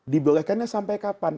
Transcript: dibolehkannya sampai kapan